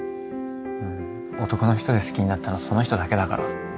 男の人で好きになったのその人だけだから。